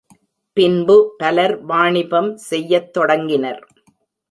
பின்பு பலர் வாணிபம் செய்யத் தொடங்கினர்.